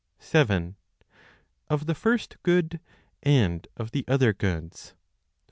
7. Of the First Good, and of the Other Goods, 54.